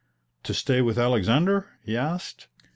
"To stay with Alexander?" he asked.